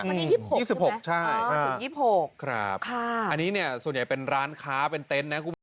วันนี้๒๖๒๖ใช่มาถึง๒๖ครับอันนี้เนี่ยส่วนใหญ่เป็นร้านค้าเป็นเต็นต์นะคุณผู้ชม